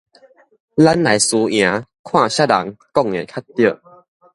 咱來輸贏，看啥人講的較著